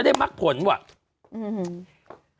ได้มักผลว่ะอือหึง